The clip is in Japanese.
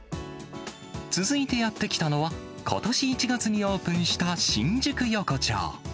続いてやって来たのは、ことし１月にオープンした新宿横丁。